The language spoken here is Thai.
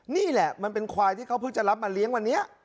นี่แหละมันเป็นควายที่เขาเพิ่งจะรับมาเลี้ยงวันนี้